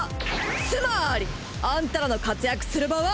つまァりあんたらの活躍する場は！